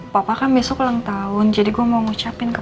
papa kan besok ulang tahun jadi gue mau ngucapin